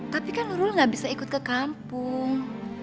tapi kan nurul gak bisa ikut ke kampung